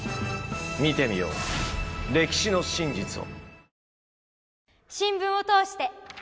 見てみよう歴史の真実を。